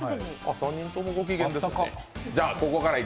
３人ともご機嫌ですね。